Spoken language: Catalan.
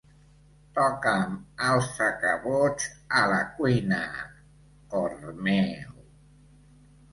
Toca'm el sacabutx a la cuina, cor meu.